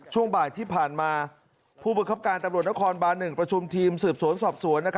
ช่วงบ่ายที่ผ่านมาผู้บังคับการตำรวจนครบาน๑ประชุมทีมสืบสวนสอบสวน